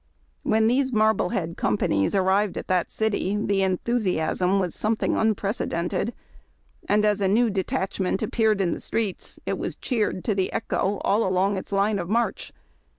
When these Marblehead companies arrived at that city the enthusiasm was something unprecedented, and as a new de tachment a})peared in the streets it was cheered to the echo all along its line of march.